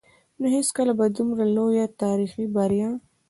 نو هېڅکله به دومره لويه تاريخي بريا